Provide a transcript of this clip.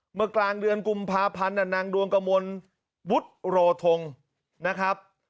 เมื่อกลางเดือนกุมภาพันธ์นางดวงกมลวุฒิโรธงนะครับ